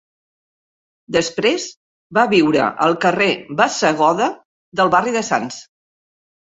Després va viure al carrer Bassegoda del barri de Sants.